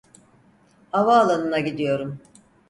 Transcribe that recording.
Havaalanına gidiyorum.